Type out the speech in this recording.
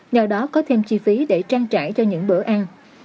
nhờ đó có thêm chi phí để trang trải cho những bữa ăn